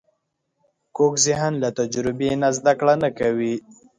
کوږ ذهن له تجربې نه زده کړه نه کوي